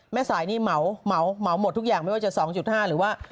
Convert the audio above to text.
แม่สายนี่เหมาหมดทุกอย่างไม่ว่าจะ๒๕หรือว่า